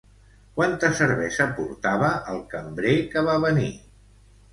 Quanta cervesa portava el cambrer que va venir?